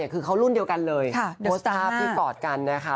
คือเขารุ่นเดียวกันเลยโพสต์ภาพที่กอดกันนะคะ